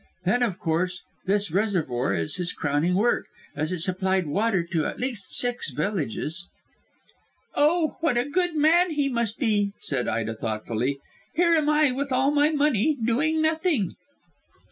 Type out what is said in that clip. Then, of course, this reservoir is his crowning work, as it supplied water to at least six villages." "Oh, what a good man he must be," said Ida thoughtfully. "Here am I, with all my money, doing nothing."